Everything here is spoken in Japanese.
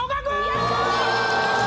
やった。